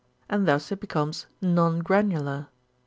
And thus it becomes non granular."